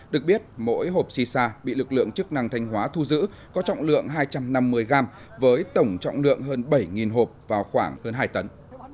được biết mỗi hộp shisha bị lực lượng chức năng thanh hóa thu giữ có trọng lượng hai trăm năm mươi gram với tổng trọng lượng hơn bảy hộp vào khoảng hơn hai tấn